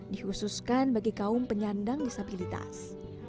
dikhususkan bagi kaum penyandang disabilitas